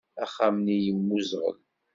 Axxam-nni yemmuẓɣel.